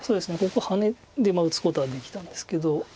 ここハネで打つことはできたんですけど。